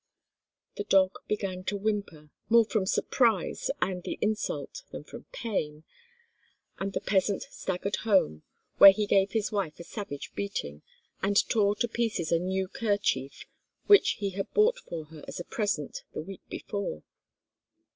The dog began to whimper, more from surprise and the insult, than from pain, and the peasant staggered home, where he gave his wife a savage beating, and tore to pieces a new kerchief which he had bought for her as a present the week before.